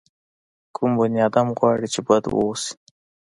کوم بني ادم غواړي چې بد واوسي.